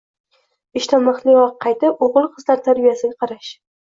Ishdan vaqtliroq qaytib, o‘g‘il-qizlar tarbiyasiga qarash